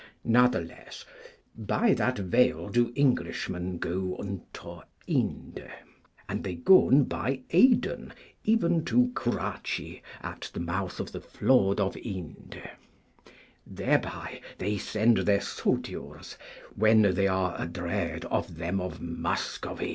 Natheless by that Vale do Englishmen go unto Ynde, and they gon by Aden, even to Kurrachee, at the mouth of the Flood of Ynde. Thereby they send their souldyours, when they are adread of them of Muscovy.